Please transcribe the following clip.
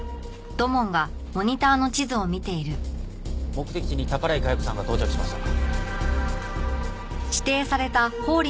目的地に宝居茅子さんが到着しました。